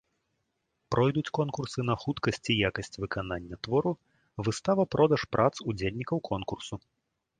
Пройдуць конкурсы на хуткасць і якасць выканання твору, выстава-продаж прац удзельнікаў конкурсу.